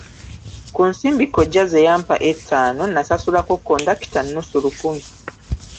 Ku nsimbi kkojja ze yampa ettaano nasasulako kondakita nnusu lukumi.